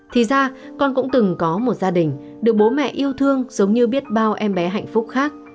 thì ra con cũng từng có một gia đình được bố mẹ yêu thương giống như biết bao em bé hạnh phúc khác